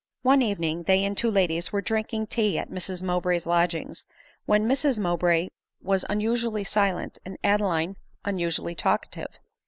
One evening they and two ladies were drinking tea at Mrs Mowbray's lodgings, when Mrs Mowbray was un usually silent and Adeline unusually talkative.